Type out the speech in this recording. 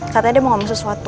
katanya dia mau ngomong sesuatu